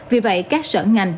vì vậy các sở ngành